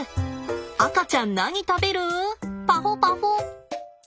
赤ちゃん何食べるパホパホ。